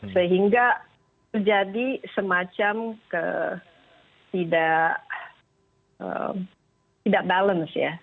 sehingga terjadi semacam tidak balance ya